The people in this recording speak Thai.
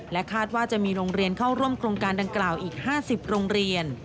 คาดว่าจะมีโรงเรียนเข้าร่วมโครงการดังกล่าวอีก๕๐โรงเรียน